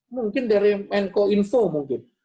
mungkin dari menko info mungkin